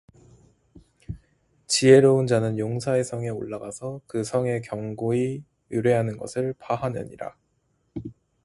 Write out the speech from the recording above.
지혜로운 자는 용사의 성에 올라가서 그 성의 견고히 의뢰하는 것을 파하느니라